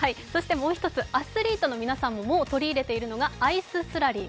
もう一つ、アスリートの皆さんももう取り入れているのがアイススラリー